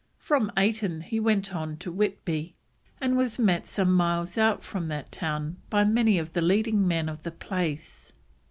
From Ayton he went on to Whitby, and was met some miles out from that town by many of the leading men of the place.